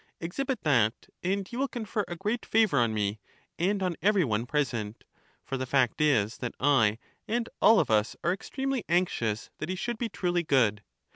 Exhibit that, and you will confer a great favor on me and on every one present; for the fact is that I and all of us are ex tremely anxious that he should be truly good.